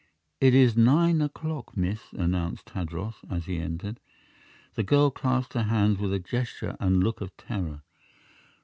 "It is nine o'clock, miss," announced Tadros, as he entered. The girl clasped her hands with a gesture and look of terror.